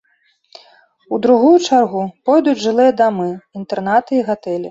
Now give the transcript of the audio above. У другую чаргу пойдуць жылыя дамы, інтэрнаты і гатэлі.